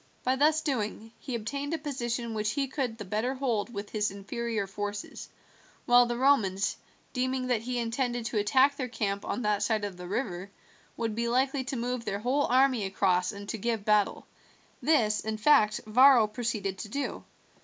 By thus doing he obtained a position which he could the better hold with his inferior forces, while the Romans, deeming that he intended to attack their camp on that side of the river, would be likely to move their whole army across and to give battle. This in fact Varro proceeded to do.